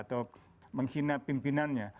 atau menghina pimpinannya